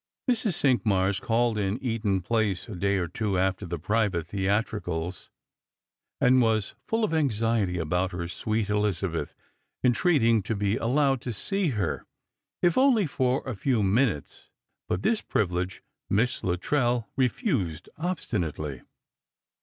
Mrs. Cinqmara called in Eaton place a day or two after the private theatricals, and was full of anxiety about her sweet Elizabeth; entreating to be allowed to see her, if only for a few minutes. But this privilege Miss Luttrell refused obstinately.